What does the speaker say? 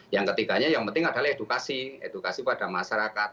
yang ketiganya yang penting adalah edukasi edukasi pada masyarakat